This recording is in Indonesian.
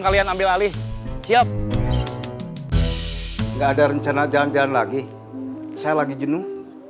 saya lagi jenuh